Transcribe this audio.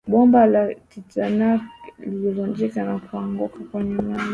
bomba la titanic lilivunjika na kuanguka kwenye maji